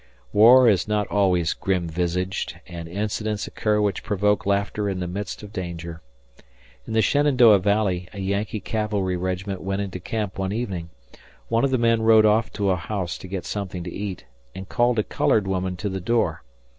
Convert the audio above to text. War is not always grim visaged, and incidents occur which provoke laughter in the midst of danger. In the Shenandoah Valley, a Yankee cavalry regiment went into camp one evening. One of the men rode off to a house to get something to eat and called a colored woman to the door.